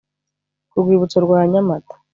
Ku Rwibutso rwa Nyamata